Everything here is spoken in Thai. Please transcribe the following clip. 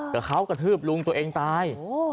กับเขากระทืบลุงตัวเองตาย